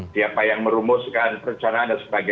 siapa yang merumuskan perencanaan dan sebagainya